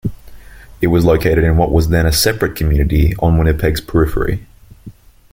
It was located in what was then a separate community on Winnipeg's periphery.